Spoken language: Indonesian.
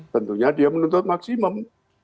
tentunya dia menuntut maksimum